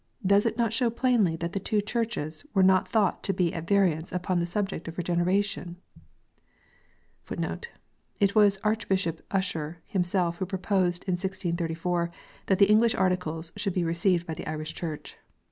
Did it not show plainly that the two Churches were not thought to be at variance upon the subject of Regeneration 1 It was Archbishop Usher himself who proposed, in 1G34, that the English Articles should be received by the Irish Church.